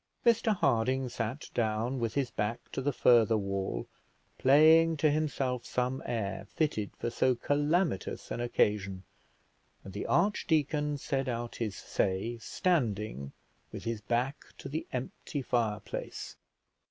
Mr Harding sat down with his back to the further wall, playing to himself some air fitted for so calamitous an occasion, and the archdeacon said out his say standing, with his back to the empty fire place.